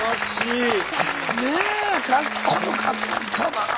ねえかっこよかったな！